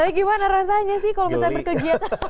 eh gimana rasanya sih kalau misalnya berkegiatan